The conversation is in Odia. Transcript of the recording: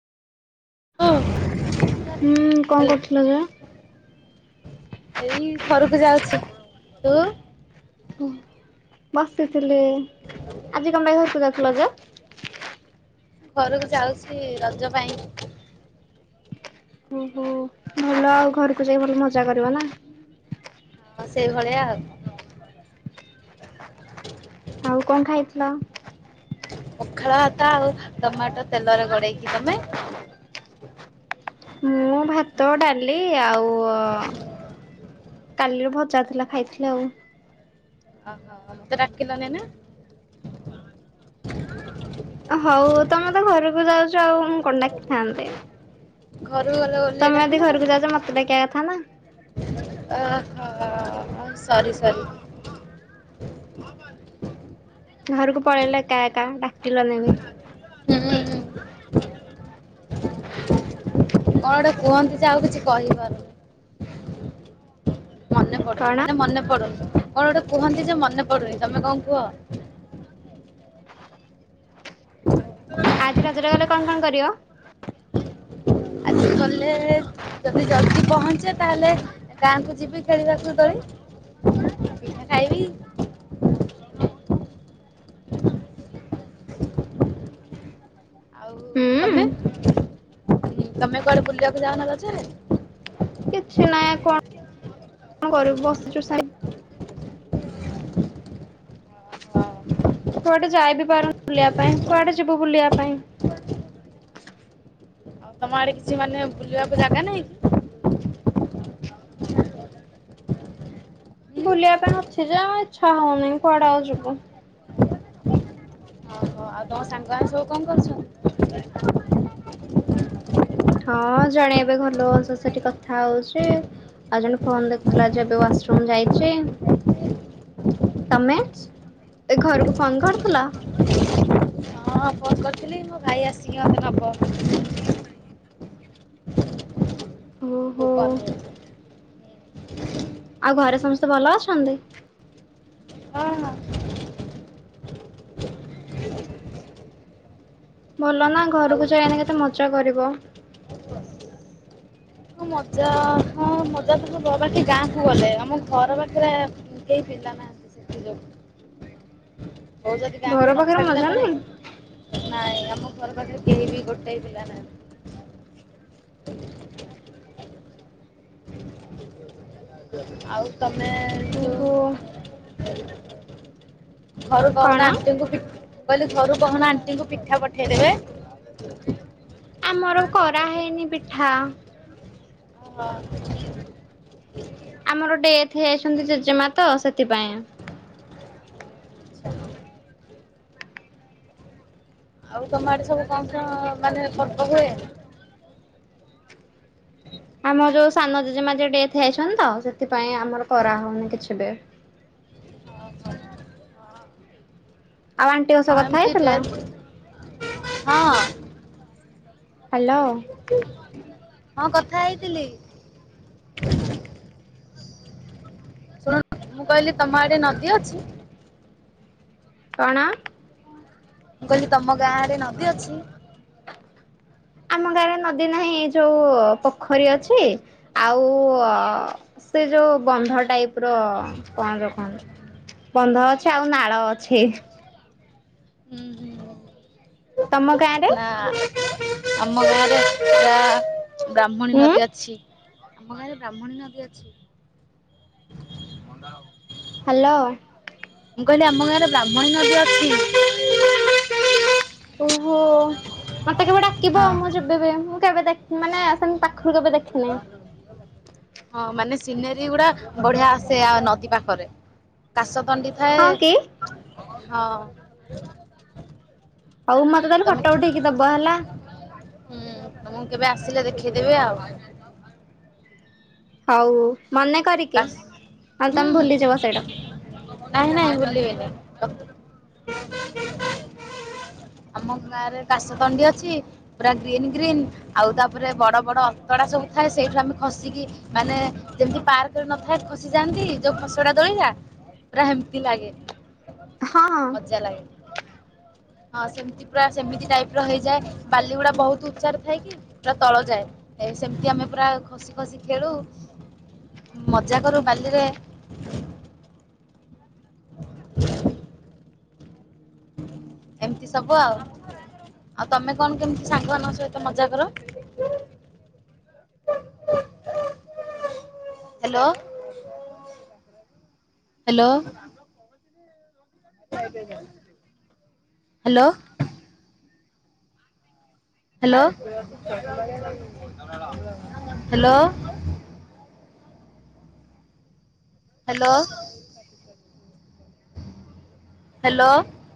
ଅଉଁ। ହୁଁ କ କରୁଥିଲ। ଯେ। ଏଇ ଘରକୁ ଯାଉଛି। ତୁ? ବସିଥିଲି। ଆଜି କ ପାଇଁ ଘରକୁ ଯାଉଥିଲ ଯେ? ଘରକୁ ଯାଉଛି ରଜ ପାଇଁ। ଓହୋ। ଭଲ ଆଉ ଘରକୁ ଯାଇକି ଭଲ ମଜା କରିବା ନା? ହଁ ସେଇଭଳିଆ ଆଉ। ଆଉ କ ଖାଇଥିଲ? ପଖାଳ ଭାତ ଆଉ ଟମାଟୋ ତେଲରେ ଗଡେଇକି ତମେ? ମୁଁ ଭାତ, ଡାଲି, ଆଉ ଓ। କାଲିରୁ ଭଜା ଥିଲା। ଖାଇଥିଲି ଆଉ। ଓହୋ। ମୋତେ ଡାକିଲନି ନା? ହଉ ତମେ ତ ଘରକୁ ଯାଉଚ ଆଉ ମୁ କ ଡାକିଥାନ୍ତି। ଘରୁକୁ ଗଲେ ବୋଲି ତମେ ଯଦି ଘରକୁ ଯାଉଛ ମତେ ଡାକିବା କଥା ନା ଡାକିନଥାନ୍ତ। ଅ ହ ସରି ସରି। ଘରକୁ ପଳେଇଲେ ଏକା ଏକା ଡାକିଲନି ବି। ହୁଁ। କଣ ଗୋଟେ କୁହନ୍ତି ଯେ ଆଉ କିଛି କହିପାରୁନି। ମନେ ପଡୁନି କଣ ମାନେ ମନେ ପଡୁନି କଣ ଗୋଟେ କୁହନ୍ତି ଯେ ମନେ ପଡୁନି ତମେ କ କୁହ? ଆଜି ରଜରେ ଗଲେ କଣ କଣ କରିବ? ଗଲେ ଯଦି ଜଲଦି ପହଞ୍ଚେ ତାହେଲେ ଗାଁକୁ ଯିବି ଖେଳିବାକୁ ଦୋଳି। ପିଠା ଖାଇବି। ଆଉ ହୁଁ ତମେ। ତମେ କୁଆଡେ ବୁଲିବାକୁ ଯାଉନା ରଜରେ? କିଛି ନାହିଁ କଣ? କ କରିବୁ ବସିଛୁ ସେମି କୁଆଡେ ଯାଇ ବିି ପାରୁନି ବୁଲିବା ପାଇଁ କୁଆଡେ ଯିବୁ ବୁଲିବା ପାଇଁ? ଆଉ ତମ ଆଡେ କିଛି ମାନେ ବୁଲିବାକୁ ଜାଗା ନାହିଁ। କି? ବୁଲିବା ପାଇଁ ଅଛି ଯେ ଆଉ ଇଚ୍ଛା ହଉନି କୁଆଡେ ଆଉ ଯିବୁ? ଓହୋ ଆଉ ତମ ସାଙ୍ଗମାନେ ସବୁ କଣ କରୁଛନ୍ତି? ହଁ ଜଣେ ଏବେ ଘର ଲୋକଙ୍କ ସହିତ ସେଠି ଏବେ କଥା ହଉଛି। ଆଉ ଜଣେ ଫୋନ ଦେଖୁଥିଲା ଯେ ଏବେ ୱାସରୁମ ଯାଇଛି। ତମେ, ଏ ଘରକୁ ଫୋନ କରିଥିଲ? ହଁ ଫୋନ୍ କରିଥିଲି ମୋ ଭାଇ ଆସିକି ମୋତେ ନବ। ଗୋ ଓହୋ ପାା [inaudible] ଆଉ ଘରେ ସମସ୍ତେ ଭଲ ଅଛନ୍ତି? ହଁ ହଁ। ଭଲ ନା ଆଉ ଘରକୁ ଯାଇନେ କେତେ ମଜା କରିବ? ହଁ ମଜା ହଁ ମଜାତ ହବ ବାକି ଗାଁକୁ ଗଲେ ଆମ ଘର ପାଖରେ କେହି ପିଲା ନାହାନ୍ତି ସେଥି ଯୋଗୁଁ। ବୋଉ ଯଦି ଗାଁକୁ ଘର ପାଖରେ ନଛାଡିଲା ମଜା ନାହିଁ ତାହେଲେ ନାଇଁ ଆମ ଘର ପାଖରେ କେହି ବି ଗୋଟେ ବି ପିଲା ନାହାନ୍ତି। ଆଉ ତମେ ଯଉ ଓହୋ ଘରୁ କଣ? କହୁନା ଆଣ୍ଟିଙ୍କୁ ପି କହିଲି ଘରୁ କହୁନା ଆଣ୍ଟିଙ୍କୁ ପିଠା ପଠେଇଦେବେ। ଆମର କରା ହେଇନି ପିଠା। ହ। ଆମର ଡେଥ ହେଇଯାଇଛନ୍ତି ଜେଜେମା ତ ସେଥିପାଇଁ। [inaudible] ଆଉ ତମ ଆଡେ ସବୁ କଣ କଣ ମାନେ ପର୍ବ ହୁଏ? ଆମର ଯୋଉ ସାନ ଜେଜେମା ଯ ଡେଥ ହେଇଛନ୍ତି ତ ସେଥିପାଇଁ ଆମର କରାହଉନି କିଛି ବି। ଆଉ ଆଣ୍ଟି ଓଷ ହଁ କଥା ଏମିତି ହେଇଥିଲ ଡେଥ ହଁ। ହ୍ୟାଲୋ ହଁ କଥା ହେଇଥିଲି। ଶୁଣୁ ମୁଁ କହିଲି ତମ ଆଡେ ନଦୀ ଅଛି? କଣ? ମୁଁ କହିଲି ତମ ଗାଁ ରେ ନଦୀ ଅଛି? ଆମ ଗାଁରେ ନଦୀ ନାହିଁ ଯୋଉ ପୋଖରୀ ଅଛି ଆ ଉ ସେ ଯୋଉ ବନ୍ଧ ଟାଇପ ର କଣ ର କହନ୍ତି। ବନ୍ଧ ଅଛେ ଆଉ ନାଳ ଅଛି। ହୁଁ ହୁଁ ହଁ ତମ ଗାଁ ରେ? ନା। ଆମ ଗାଁରେ ପୁରା ବ୍ରାହ୍ମଣୀ ଉଁ ନଦୀ ଅଛି [inaudible] ଆମ ଗାଁରେ ବ୍ରାହ୍ମଣୀ ନଦୀ ଅଛି। ହ୍ୟାଲୋ। ମୁଁ କହିଲି ଆମ ଗାଁରେ ବ୍ରାହ୍ମଣୀ ନଦୀ ଅଛି [inaudible] ଓହୋ, ମତେ କେବେ ଡାକିବ ହଁ। ମୁଁ ଯିବିବି ମୁଁ କେବେ ଦେ ମାନେ ସେମ ପାଖରୁ କେବେ ଦେଖି ଆ ହଁ ମାନେ ସିନେରୀ ଗୁଡା ବଢିଆ ଆସେ ଆ ନଦୀ ପାଖରେ କାଶତଣ୍ଡି ଥାଏ ହଁ କି ହଁ। ହଉ ମତେ ତାହେଲେ ତମେ ଫଟ ଉଠେଇକି ଦବ ହେଲା। ହୁଁ ତମକୁ କେବେ ଆସିଲେ ଦେଖେଇଦେବି ଆଉ। ହଉ ମନେ କରିକି କାସ୍ ନ [unintelligible] ହୁଁ ତମେ ଭୁଲିଯିବ ସେଇଟା। ନାଇଁ ନାଇଁ ଭୁଲିବିନି [inaudible] ଆମ ଗାଁ ରେ କାଶ ତଣ୍ଡି ଅଛି। ପୁରା ଗ୍ରୀନ୍ ଗ୍ରୀନ୍ ଆଉ ତାପରେ ବଡ ବଡ ଅନ୍ତଡା ସବୁ ଥାଏ ସେଇଠୁ ଆମେ ଖସିକି ମାନେ ଯେମିତି ପାର୍କ ନଥାଏ ଖସିଯାଆନ୍ତି ଯୋଉ ଫସଡା ଦୋଳିିଟା ପୁରା ହେମତି ଲାଗେ। ହଁ ହଁ। ମଜା ଲାଗେ। ହଁ ସେମିତି ପୁରା ସେମିତି ଟାଇପ ର ହେଇଯାଏ ବାଲିଗୁଡା ବହୁତ ଉଚ୍ଚା ରେ ଥାଏ କି ପୁରା ତଳ ଯାଏ। ଅ ସେମିତି ଆମେ ପୁରା ଖସି ଖସି ଖେଳୁ। ମଜା କରୁ ବାଲିରେ ଏମିତି ସବୁ ଆଉ। ଆଉ ତମେ କଣ କେମିତି ସାଙ୍ଗମାନଙ୍କ ସହିତ ମଜା କର? Hello. Hello. Hello. Hello. Hello. Hello. Hello.